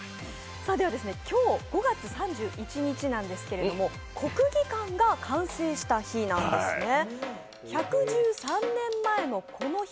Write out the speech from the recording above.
今日、５月３１日なんですけれども、国技館が完成した日なんですね。